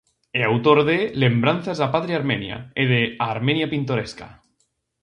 É autor de "Lembranzas da patria armenia" e de "A Armenia pintoresca".